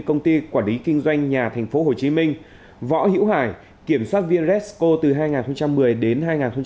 công ty quản lý kinh doanh nhà tp hcm võ hữu hải kiểm soát viên resco từ hai nghìn một mươi đến hai nghìn một mươi